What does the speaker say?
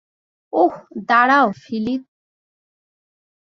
ওহ, দাঁড়াও, ফিলিপ।